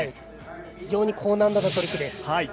非常に高難度のトリックです。